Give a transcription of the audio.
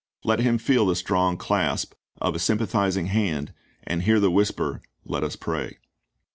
Let him feel the strong clasp of a sympathizing hand, and hear the whisper, Let us pray.